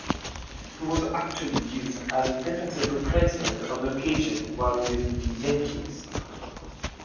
He was actually used as a defensive replacement on occasion while with the Yankees.